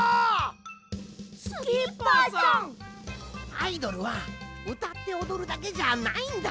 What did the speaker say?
アイドルはうたっておどるだけじゃないんだ。